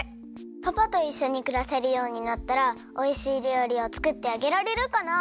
パパといっしょにくらせるようになったらおいしいりょうりをつくってあげられるかな？